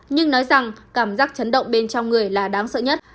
nhưng nói rằng cảm giác chấn động bên trong người là đáng sợ nhất